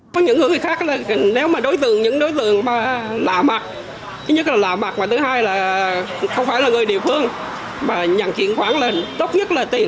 có những người khác nếu mà đối tượng những đối tượng mà lạ mặt thứ nhất là lạ mặt và thứ hai là không phải là người địa phương mà nhận chuyển khoản là tốt nhất là tiền